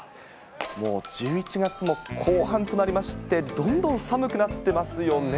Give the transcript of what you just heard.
もう１１月も後半となりまして、どんどん寒くなってますよね。